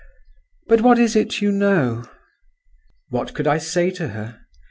But what is it you know?" What could I say to her?